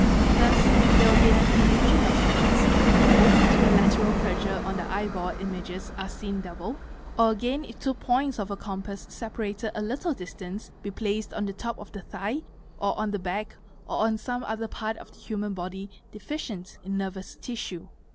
Thus there will be an 'illusion of sense,' if owing to a lateral pressure on the eyeball images fe seen double, or again if two points of a compass separated a little listance be placed on the top of the thigh or on the back or on some other part of the human body deficient in nervous tissue.